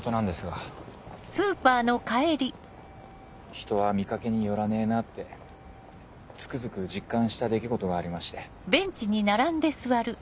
人は見掛けによらねえなってつくづく実感した出来事がありまして。